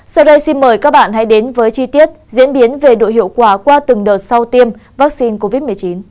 sau đây xin mời các bạn hãy đến với chi tiết diễn biến về độ hiệu quả qua từng đợt sau tiêm vaccine covid một mươi chín